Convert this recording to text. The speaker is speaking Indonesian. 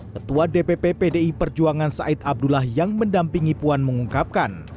ketua dpp pdi perjuangan said abdullah yang mendampingi puan mengungkapkan